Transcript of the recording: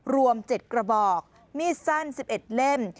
รวม๗กระบอกมีดสั้น๑๑เล่ม